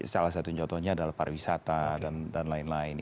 salah satu contohnya adalah pariwisata dan lain lain